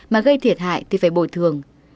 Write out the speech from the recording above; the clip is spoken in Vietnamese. mà gây thiệt hại thì phải bồi thường